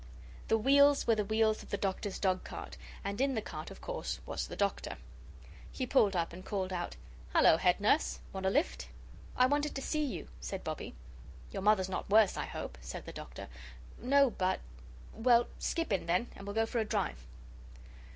The wheels were the wheels of the Doctor's dogcart, and in the cart, of course, was the Doctor. He pulled up, and called out: "Hullo, head nurse! Want a lift?" "I wanted to see you," said Bobbie. "Your mother's not worse, I hope?" said the Doctor. "No but " "Well, skip in, then, and we'll go for a drive."